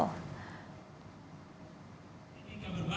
ketika berbangsa dan bergerak